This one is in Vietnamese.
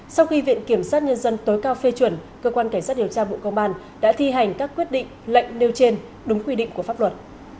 sau khi viện kiểm sát nhân dân tối cao phê chuẩn cơ quan cảnh sát điều tra bộ công an đã thi hành các quyết định lệnh nêu trên đúng quy định của pháp luật